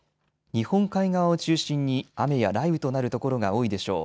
日本海側を中心に雨や雷雨となる所が多いでしょう。